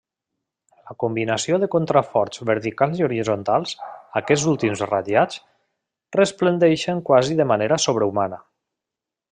La combinació de contraforts verticals i horitzontals, aquests últims ratllats, resplendeix quasi de manera sobrehumana.